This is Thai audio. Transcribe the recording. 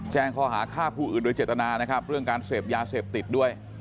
แจ้งข้อหาฆ่าผู้อื่นโดยเจตนานะครับเรื่องการเสพยาเสพติดด้วย